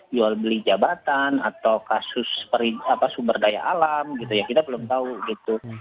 jual beli jabatan atau kasus sumber daya alam gitu ya kita belum tahu gitu